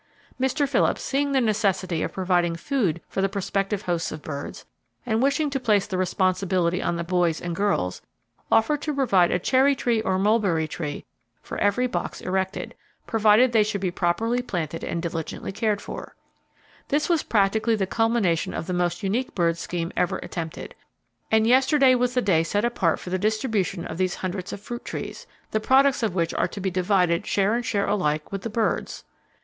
Mr. Phillips, seeing the necessity of providing food for the prospective hosts of birds, and wishing to place the responsibility on the boys and girls, offered to provide a cherry tree or mulberry tree for every box erected, provided they should be properly planted and diligently cared for. [Page 381] This was practically the culmination of the most unique bird scheme ever attempted, and yesterday was the day set apart for the distribution of these hundreds of fruit trees, the products of which are to be divided share and share alike with the birds.